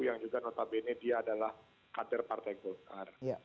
yang juga notabene dia adalah kader partai golkar